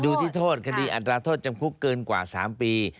ดูที่โทษคดีอัตราโทษจำคุกเกินกว่า๓ปี